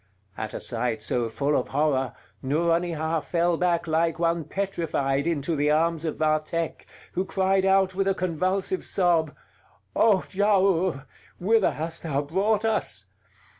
At a sight so full of horror, Nouronihar fell back like one petrified into the arms of Vathek, who cried out with a convulsive sob: "O Giaour! whither hast thou brought us?